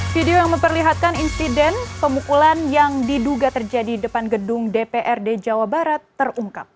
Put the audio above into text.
video yang memperlihatkan insiden pemukulan yang diduga terjadi depan gedung dprd jawa barat terungkap